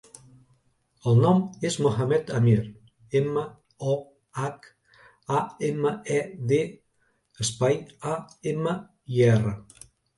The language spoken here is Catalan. El nom és Mohamed amir: ema, o, hac, a, ema, e, de, espai, a, ema, i, erra.